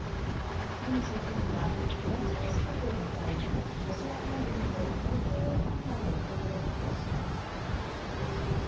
キム総書記はウラジオストクへ向かいロシア海軍の太平洋艦隊を訪れる見通しです。